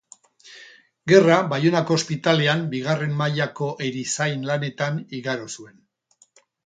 Gerra Baionako ospitalean bigarren mailako erizain lanetan igaro zuen.